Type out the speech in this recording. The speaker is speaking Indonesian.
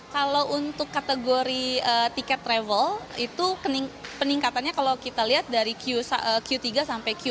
kalau untuk kategori tiket travel itu peningkatannya kalau kita lihat dari q tiga sampai q